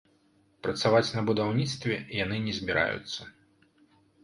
Працаваць на будаўніцтве яны не збіраюцца.